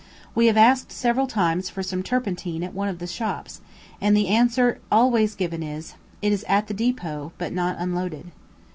We have asked several times for some turpentine at one of the shops, and the answer always given is, "It is at the depot, but not unloaded."